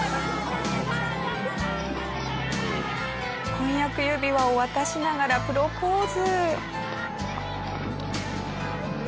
婚約指輪を渡しながらプロポーズ。